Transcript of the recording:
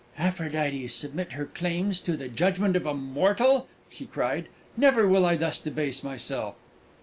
"Aphrodite submit her claims to the judgment of a mortal!" she cried. "Never will I thus debase myself!"